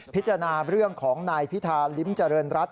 พิจารณาเรื่องของนายพิธาลิ้มเจริญรัฐ